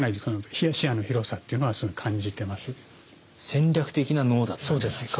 戦略的なＮＯだったんじゃないか。